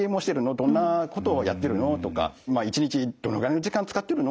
「どんなことをやってるの？」とか「一日どのぐらいの時間使ってるの？」とか